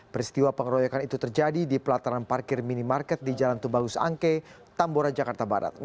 peristiwa pengeroyokan itu terjadi di pelataran parkir minimarket di jalan tubagus angke tambora jakarta barat